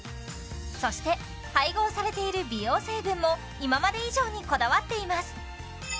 そして配合されている美容成分も今まで以上にこだわっています